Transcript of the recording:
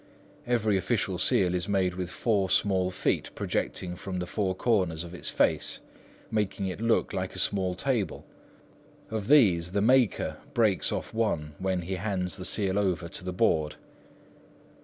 Every official seal is made with four small feet projecting from the four corners of its face, making it look like a small table. Of these, the maker breaks off one when he hands the seal over to the Board.